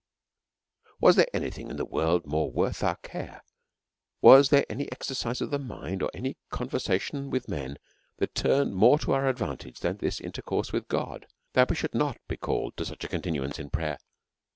Was there any thing in the world more worth our care ; was there any exercise of the mind, or any con versation with men, that turned more to our advan tage than this intercourse with God, we should not be called to such a continuance in pra^^er.